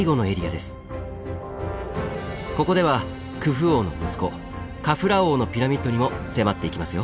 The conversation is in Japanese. ここではクフ王の息子カフラー王のピラミッドにも迫っていきますよ。